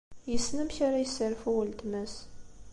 Yessen amek ara yesserfu weltma-s.